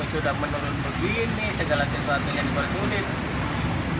ini sudah menurut begini segala sesuatu yang diperlukan